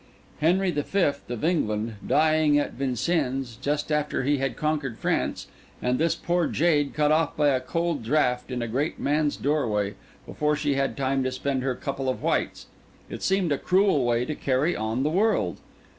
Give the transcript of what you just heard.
Henry V. of England, dying at Vincennes just after he had conquered France, and this poor jade cut off by a cold draught in a great man's doorway, before she had time to spend her couple of whites—it seemed a cruel way to carry on the world.